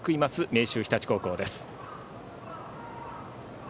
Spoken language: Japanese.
明秀日立高校です。